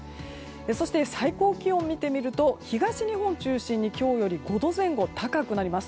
そして最高気温を見てみると東日本を中心に今日より５度前後高くなります。